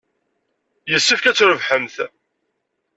Yessefk ad trebḥemt.